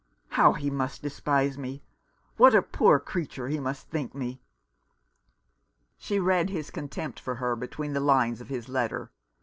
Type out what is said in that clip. " How he must despise me ! What a poor creature he must think me." She read his contempt for her between the lines of his letter.